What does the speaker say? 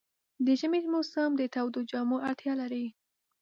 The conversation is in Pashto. د ژمي موسم د تودو جامو اړتیا لري.